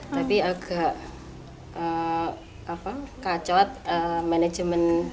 tapi agak kacot manajemennya